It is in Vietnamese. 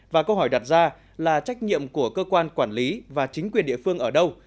và câu hỏi đặt ra là trách nhiệm của cơ quan quản lý và chính quyền địa phương ở đâu